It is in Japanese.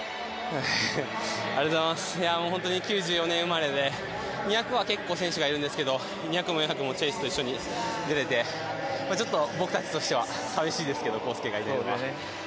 本当に９４年生まれで２００は結構選手もいるんですけど２００も４００もチェイスと一緒に出れてちょっと僕たちとしては寂しいですけど公介がいないのは。